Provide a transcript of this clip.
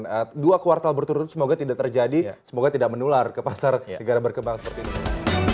dan dua kuartal berturut turut semoga tidak terjadi semoga tidak menular ke pasar negara berkembang seperti ini